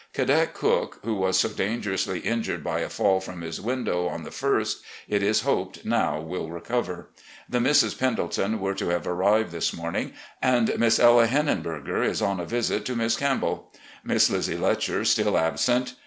Cadet Cook, who was so dangerously injured by a fall from his window on the ist, it is hoped now will recover. The Misses Pendleton were to have arrived this morning, and Miss Ella Henin berger is on a visit to Miss Campbell. Miss Lizzie Letcher still absent.